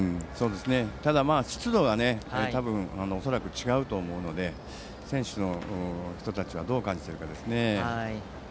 ただ、まあ湿度が恐らく違うと思うので選手の人たちはどう感じているかですね。